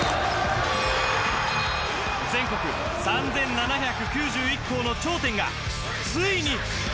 全国３７９１校の頂点がついに。